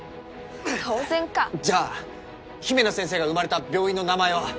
当然かじゃあ姫乃先生が生まれた病院の名前は？